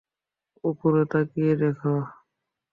উপরে তাকিয়ে দেখো!